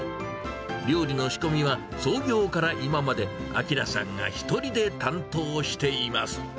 料理の仕込みは創業から今まで、明さんが一人で担当しています。